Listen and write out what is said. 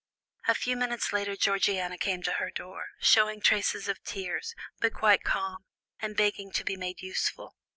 A few minutes later Georgiana came to her door, showing traces of tears, but quite calm, and begging to be made useful.